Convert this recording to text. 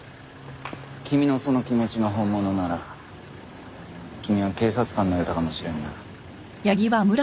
君のその気持ちが本物なら君は警察官になれたかもしれんな。